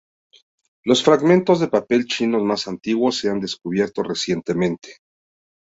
Los fragmentos de papel chinos más antiguos se han descubierto recientemente.